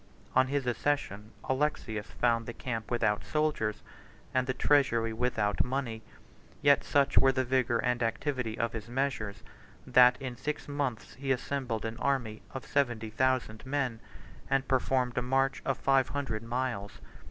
On his accession, Alexius found the camp without soldiers, and the treasury without money; yet such were the vigor and activity of his measures, that in six months he assembled an army of seventy thousand men, 69 and performed a march of five hundred miles.